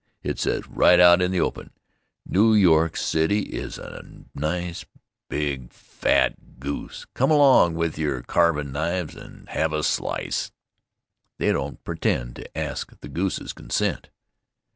It says right out in the open: "New York City is a nice big fat Goose. Come along with your carvin' knives and have a slice." They don't pretend to ask the Goose's consent.